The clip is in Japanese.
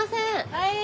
はい！